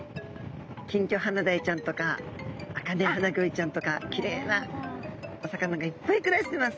キンギョハナダイちゃんとかアカネハナゴイちゃんとかきれいなお魚がいっぱい暮らしてます。